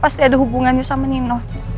pasti ada hubungannya sama nino